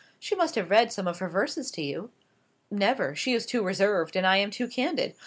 She must have read some of her verses to you." "Never. She is too reserved, and I am too candid.